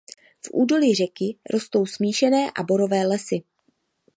V údolí řeky rostou smíšené a borové lesy.